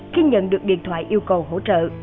khi nhận được điện thoại yêu cầu hỗ trợ